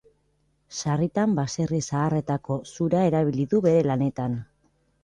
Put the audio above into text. Sarritan baserri zaharretako zura erabili du bere lanetan.